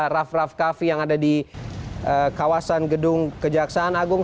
raff raff kaffi yang ada di kawasan gedung kejaksaan agung